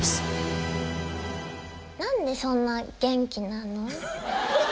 何でそんな元気なの？